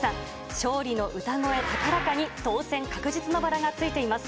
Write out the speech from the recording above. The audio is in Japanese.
勝利の歌声高らかに、当選確実のバラがついています。